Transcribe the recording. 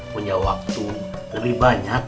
punya waktu lebih banyak